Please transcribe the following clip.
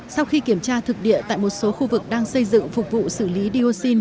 sau khi kiểm tra thực địa tại một số khu vực đang xây dựng phục vụ xử lý dioxin